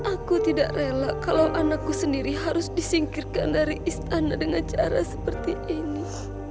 aku tidak rela kalau anakku sendiri harus disingkirkan dari istana dengan cara seperti ini